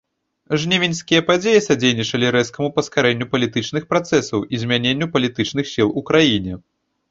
Жнівеньскія падзеі садзейнічалі рэзкаму паскарэнню палітычных працэсаў і змяненню палітычных сіл у краіне.